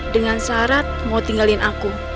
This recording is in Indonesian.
dengan syarat mau tinggalin aku